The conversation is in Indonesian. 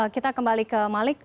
kita kembali ke malik